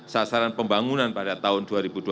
sasaran pembangunan pada tahun dua ribu dua puluh